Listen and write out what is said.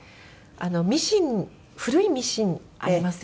ミシン古いミシンありますでしょ？